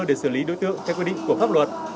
để xử lý đối tượng theo quy định của pháp luật